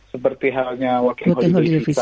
seperti halnya working holiday visa